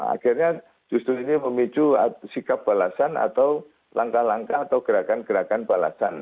akhirnya justru ini memicu sikap balasan atau langkah langkah atau gerakan gerakan balasan